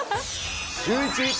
シューイチ！